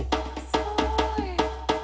すごーい！